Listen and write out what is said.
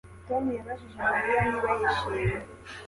Tom yabajije Mariya niba yishimye